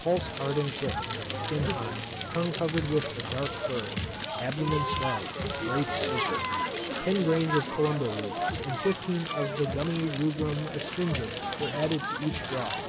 Pulse hard and quick; skin hot; tongue covered with a dark fur; abdomen swelled; great stupor. Ten grains of columbo root, and fifteen of the Gummi rubrum astringens were added to each draught.